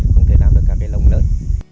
không thể làm được các cái lồng lớn